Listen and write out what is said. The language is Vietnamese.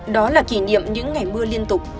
đó là kỷ niệm những ngày mưa liên tục